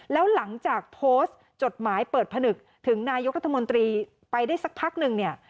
แล้วหลังจากโพสต์จดหมายเปิดผนึกถึงนายกรัฐมนตรีไปได้สักพักหนึ่งเนี่ย